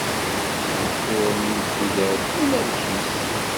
Wufur-nni n tudert, unamek-is